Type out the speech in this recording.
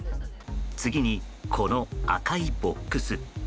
次にこの赤いボックス。